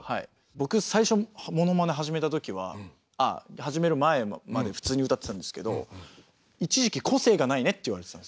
僕最初モノマネ始めたときは始める前まで普通に歌ってたんですけど一時期「個性がないね」って言われてたんですよ。